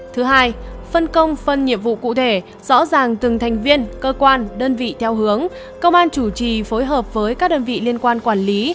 thứ hai phân công phân nhiệm vụ cụ thể rõ ràng từng thành viên cơ quan đơn vị theo hướng công an chủ trì phối hợp với các đơn vị liên quan quản lý